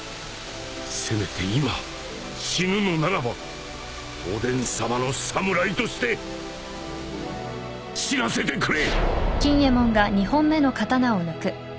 せめて今死ぬのならばおでんさまの侍として死なせてくれ！